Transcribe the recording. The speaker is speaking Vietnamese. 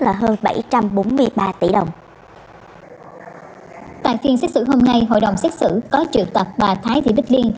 tài phiên xét xử hôm nay hội đồng xét xử có triệu tập bà thái thị bích liên